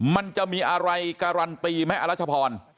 มันจะมีอะไรการันตีไหมอรัชพร